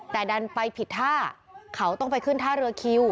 แต่ดันไปผิดท่าเขาต้องไปขึ้นท่าเรือคิว